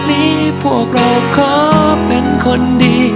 นิจกด